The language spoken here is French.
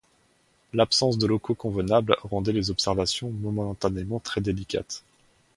L'absence de locaux convenables rendait les observations momentanément très délicates.